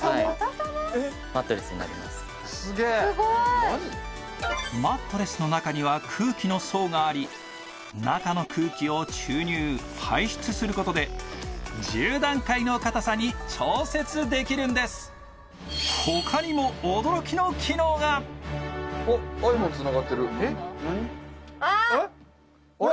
すごーいマットレスの中には空気の層があり中の空気を注入排出することで１０段階の硬さに調節できるんですあーっあれ？